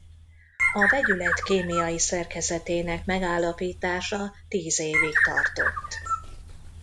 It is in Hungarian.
A vegyület kémiai szerkezetének megállapítása tíz évig tartott.